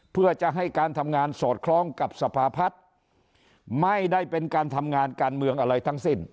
เพื่อจะให้การทำงานสอดคล้องกับสภาพัฒน์ไม่ได้เป็นการทำงานการเมืองอะไรทั้งสิ้น